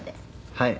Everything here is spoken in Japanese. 「はい」